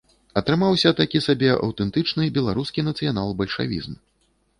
Атрымаўся такі сабе аўтэнтычны беларускі нацыянал-бальшавізм.